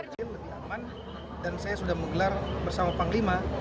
lebih aman dan saya sudah menggelar bersama panglima